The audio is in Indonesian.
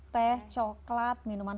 teh coklat minuman